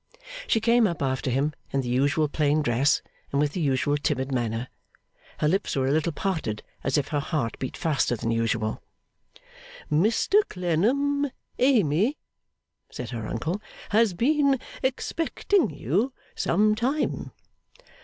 She came up after him, in the usual plain dress, and with the usual timid manner. Her lips were a little parted, as if her heart beat faster than usual. 'Mr Clennam, Amy,' said her uncle, 'has been expecting you some time.